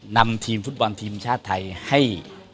นำทีมฟุตบอลทีมชาติไทยให้